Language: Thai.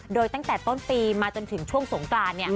โดยตั้งแต่ต้นปีมาจนถึงช่วงสงกราน